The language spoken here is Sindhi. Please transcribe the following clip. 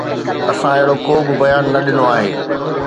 اسان اهڙو ڪو به بيان نه ڏنو آهي